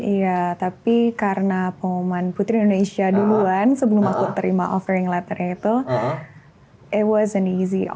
iya tapi karena pengumuman putri indonesia duluan sebelum aku terima offering letter nya itu itu adalah pilihan yang mudah